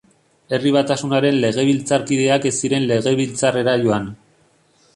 Herri Batasunaren legebiltzarkideak ez ziren Legebiltzarrera joan.